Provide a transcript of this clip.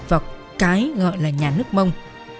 và cái ngợi là nhà nước mông